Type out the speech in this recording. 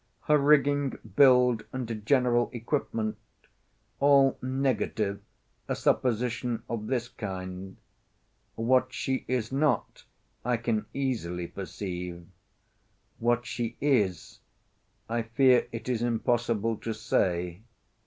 Her rigging, build, and general equipment, all negative a supposition of this kind. What she is not, I can easily perceive—what she is I fear it is impossible to say.